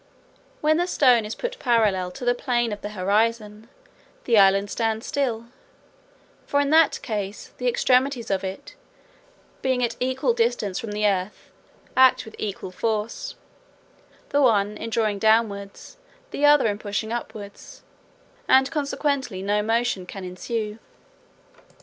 When the stone is put parallel to the plane of the horizon, the island stands still; for in that case the extremities of it, being at equal distance from the earth, act with equal force, the one in drawing downwards, the other in pushing upwards, and consequently no motion can ensue.